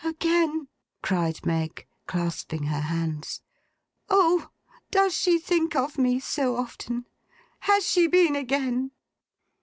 'Again!' cried Meg, clasping her hands. 'O, does she think of me so often! Has she been again!